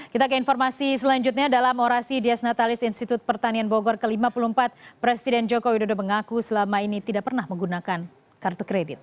kita ke informasi selanjutnya dalam orasi dias natalis institut pertanian bogor ke lima puluh empat presiden joko widodo mengaku selama ini tidak pernah menggunakan kartu kredit